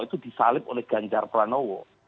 itu disalib oleh ganjar pranowo